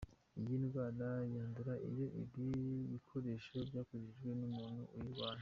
Iyi ndwara yandura iyo ibi bikoresho byakoreshejwe n’umuntu uyirwaye.